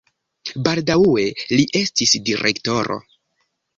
Baldaŭe li estis direktoro.